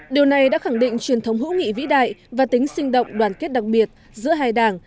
điều này đã khẳng định truyền thống hữu nghị vĩ đại và tính sinh động đoàn kết đặc biệt giữa hai đảng